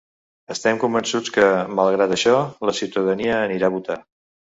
Estem convençuts que, malgrat això, la ciutadania anirà a votar.